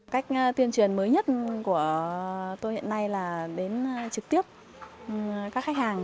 cách tuyên truyền mới nhất của tôi hiện nay là đến trực tiếp các khách hàng